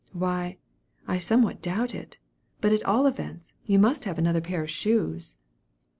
"Why, I somewhat doubt it; but at all events, you must have another pair of shoes."